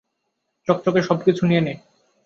চকচকে সবকিছু নিয়ে নে।